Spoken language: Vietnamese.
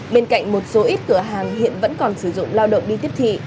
bên cạnh một số ít cửa hàng hiện vẫn còn sử dụng lao động đi tiếp thị